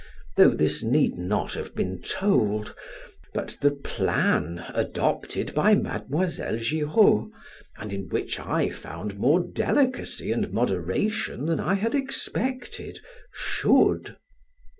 though this need not been told, but the plan adopted by Mademoiselle Giraud (and in which I found more delicacy and moderation than I had expected) should.